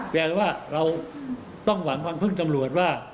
แปลว่าเราต้องหวังความพึ่งตำรวจว่า